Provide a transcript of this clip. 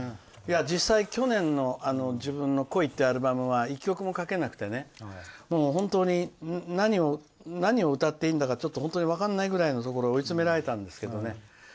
実際、去年の自分の「孤悲」ってアルバムは１曲も書けなくて本当に何を歌っていいんだかちょっと本当に分からないぐらいのところに追い詰められたんですけどね。